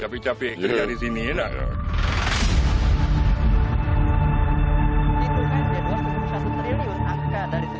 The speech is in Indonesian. capi capi kerja di sini enak